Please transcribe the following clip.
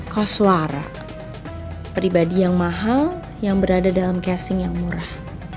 koswara pribadi yang mahal yang berada dalam casing yang murah